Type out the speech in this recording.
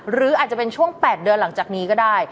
หรืออาจจะเป็นช่วง๘เดือนหลังจากนี้ก็ได้